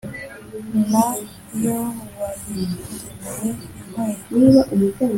Na yo bayindemeye inkwiye